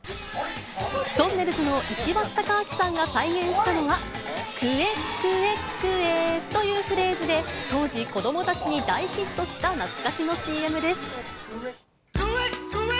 とんねるずの石橋貴明さんが再現したのは、クェックェックェッというフレーズで当時、子どもたちに大ヒットした懐かしのＣＭです。